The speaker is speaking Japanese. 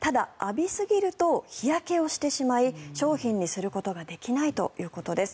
ただ、浴びすぎると日焼けをしてしまい商品にすることができないということです。